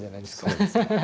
そうですね。